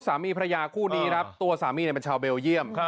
สามีพระยาคู่นี้ครับตัวสามีเป็นชาวเบลเยี่ยม